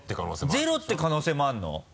ゼロって可能性もあるの？